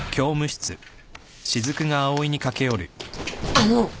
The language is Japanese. あの。